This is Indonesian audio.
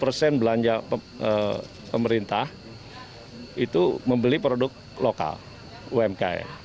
lima puluh persen belanja pemerintah itu membeli produk lokal umkm